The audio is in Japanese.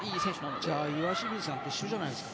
じゃあ、岩清水さんと一緒じゃないですか。